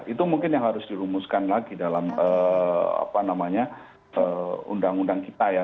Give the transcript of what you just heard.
itu mungkin yang harus dirumuskan lagi dalam undang undang kita ya